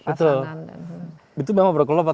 perasaan itu memang berkelompok